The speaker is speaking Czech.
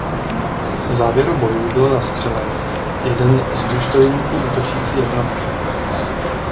V závěru bojů byl zastřelen i jeden z důstojníků útočící jednotky.